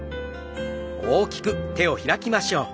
大きく手を開きましょう。